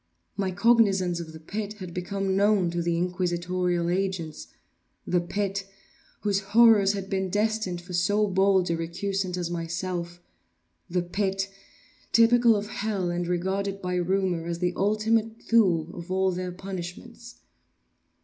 My cognizance of the pit had become known to the inquisitorial agents—the pit, whose horrors had been destined for so bold a recusant as myself—the pit, typical of hell, and regarded by rumor as the Ultima Thule of all their punishments.